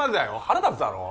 腹立つだろ？